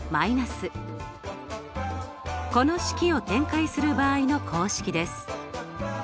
この式を展開する場合の公式です。